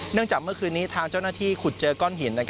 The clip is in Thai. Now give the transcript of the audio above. จากเมื่อคืนนี้ทางเจ้าหน้าที่ขุดเจอก้อนหิน